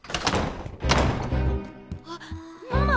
あっママ！